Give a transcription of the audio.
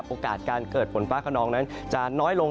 โอกาสการเกิดฝนฟ้าขนองนั้นจะน้อยลง